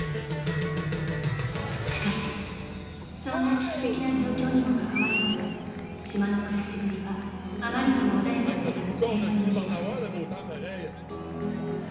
［しかしそんな危機的な状況にもかかわらず島の暮らしぶりはあまりにも穏やかで平和に見えました］